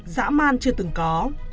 dã man chưa từng có